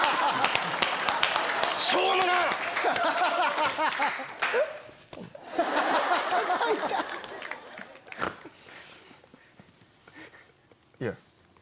しょうもな‼いや。